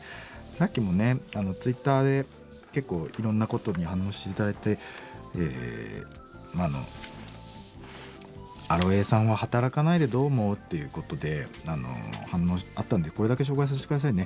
さっきもねツイッターで結構いろんなことに反応して頂いてアロエさんは「働かないでどう思う？」っていうことで反応あったんでこれだけ紹介させて下さいね。